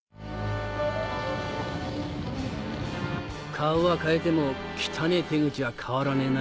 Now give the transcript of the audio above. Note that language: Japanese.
顔は変えても汚ねぇ手口は変わらねえな。